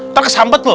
nanti kesambet loh